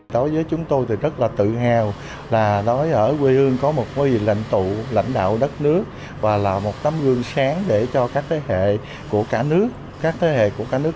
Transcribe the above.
đối với chúng tôi thì rất là tự hào là ở quê hương có một quý vị lãnh tụ lãnh đạo đất nước và là một tấm gương sáng để cho các thế hệ của cả nước